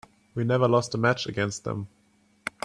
We never lost a match against them.